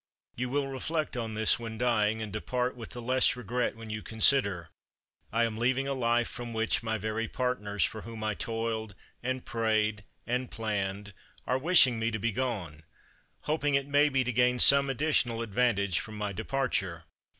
You will reflect on this when dying, and depart with the less regret when you consider: "I am leaving a life from which my very partners, for whom I toiled, and prayed, and planned, are wishing me to begone; hoping, it may be, to gain some additional advantage from my departure."